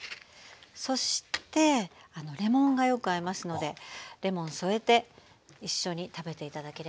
そしてレモンがよく合いますのでレモン添えて一緒に食べて頂ければと思います。